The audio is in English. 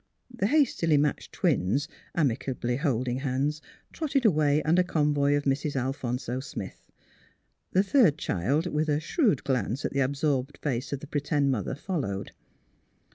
The hastily matched twins, amicably holding hands, trotted away nnder convoy of Mrs. Al phonso Smith. The third child, with a shrewd glance at the absorbed face of the p 'tend mother, followed.